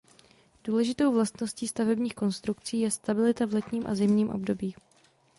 Důležitou vlastností stavebních konstrukcí je stabilita v letním a zimním období.